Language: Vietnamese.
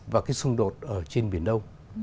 và cái xung đột ở trên biển đông